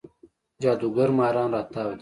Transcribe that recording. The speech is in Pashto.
جادوګر ماران راتاو دی